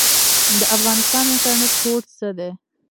د افغانستان انټرنیټ کوډ څه دی؟